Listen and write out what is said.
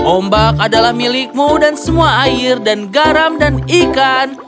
ombak adalah milikmu dan semua air dan garam dan ikan